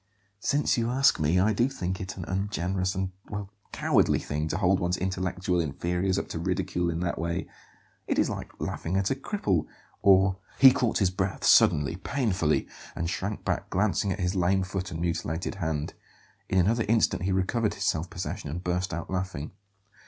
"Since you ask me, I do think it an ungenerous and well cowardly thing to hold one's intellectual inferiors up to ridicule in that way; it is like laughing at a cripple, or " He caught his breath suddenly, painfully; and shrank back, glancing at his lame foot and mutilated hand. In another instant he recovered his self possession and burst out laughing.